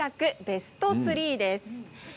ベスト３です。